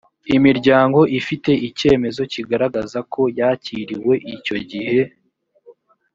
imiryango ifite icyemezo kigaragaza ko yakiriwe icyo igihe